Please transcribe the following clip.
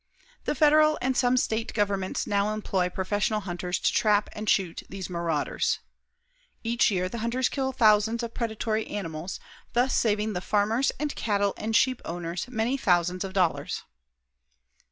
The Federal and some State governments now employ professional hunters to trap and shoot these marauders. Each year the hunters kill thousands of predatory animals, thus saving the farmers and cattle and sheep owners many thousands of dollars.